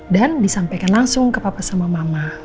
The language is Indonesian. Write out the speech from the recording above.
dan disampaikan langsung ke papa sama mama